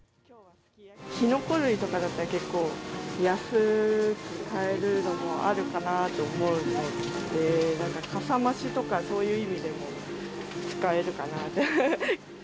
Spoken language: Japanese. きのこ類とかだったら、結構安く買えるのもあるかなと思うので、なんかかさ増しとか、そういう意味でも使えるかなと。